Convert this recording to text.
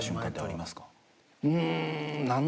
うん。